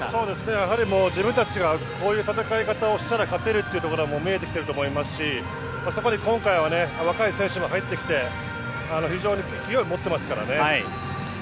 やはり自分たちがこういう戦い方をしたら勝てるっていうところは見えてきていると思いますしそこに今回は若い選手も入ってきて、非常に勢いを持っていますからね。